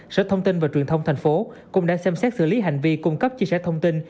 sở thông tin và truyền thông thành phố cũng đã xem xét xử lý hành vi cung cấp chia sẻ thông tin